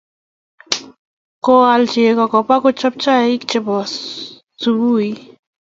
koal chego kobak kochob chaik che bo subui.